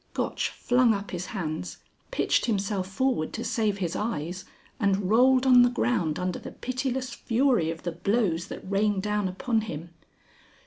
Gotch flung up his hands, pitched himself forward to save his eyes, and rolled on the ground under the pitiless fury of the blows that rained down upon him.